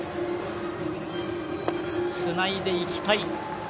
つないでいきたい。